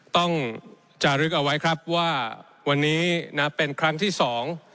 ต้องจารึกเอาไว้ครับว่าวันนี้นะเป็นครั้งที่สอง